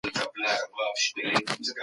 په فضا کې د راکټ سرعت ډېر زیات وي.